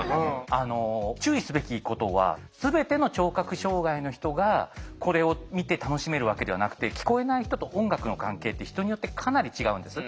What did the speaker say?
注意すべきことは全ての聴覚障害の人がこれを見て楽しめるわけではなくて聞こえない人と音楽の関係って人によってかなり違うんです。